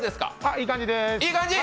いい感じです。